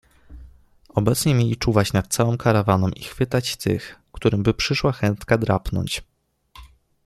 Obecnie mieli czuwać nad całą karawaną i chwytać tych, którym by przyszła chętka drapnąć.